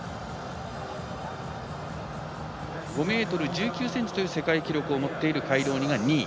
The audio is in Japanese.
５ｍ１９ｃｍという世界記録を持っているカイローニが２位。